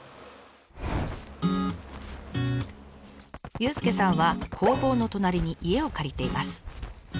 佑介さんは工房の隣に家を借りています。